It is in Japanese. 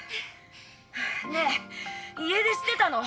ねえ家出してたの？